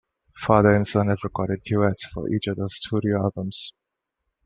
Father and son have recorded duets for each other's studio albums.